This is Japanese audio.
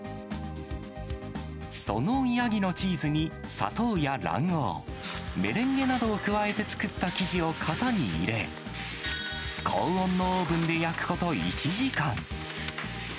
そのヤギのチーズに砂糖や卵黄、メレンゲなどを加えて作った生地を型に入れ、高温のオーブンで焼くこと１時間。